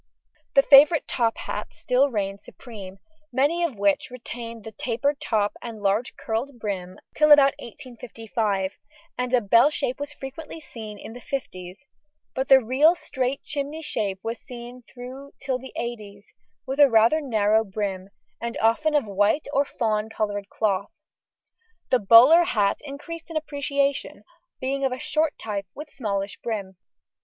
The favourite top hat still reigned supreme, many of which retained the tapered top and large curled brim till about 1855, and a bell shape was frequently seen in the fifties, but the real straight chimney shape was seen throughout till the eighties, with a rather narrow brim, and often of white or fawn coloured cloth. The bowler hat increased in appreciation, being of a short type, with smallish brim.